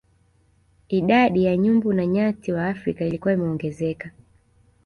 Idadi ya nyumbu na nyati wa Afrika ilikuwa imeongezeka